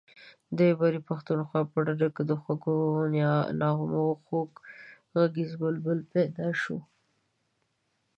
د برې پښتونخوا په ډډو کې د خوږو نغمو خوږ غږی بلبل پیدا شو.